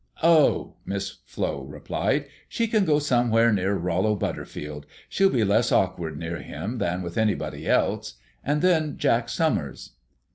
"Oh," Miss Flo replied, "she can go somewhere near Rollo Butterfield she'll be less awkward near him than with anybody else. And then Jack Somers."